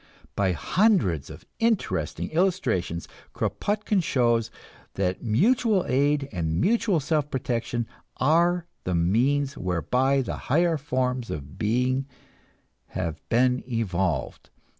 By hundreds of interesting illustrations Kropotkin shows that mutual aid and mutual self protection are the means whereby the higher forms of being have been evolved.